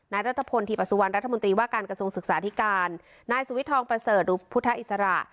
รัฐพลทีปสุวรรณรัฐมนตรีว่าการกระทรวงศึกษาธิการนายสุวิททองประเสริฐหรือพุทธอิสระ